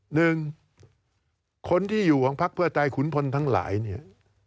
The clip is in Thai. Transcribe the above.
หนึ่งคนที่อยู่ของพักเพื่อไทยขุนพลทั้งหลายเนี่ย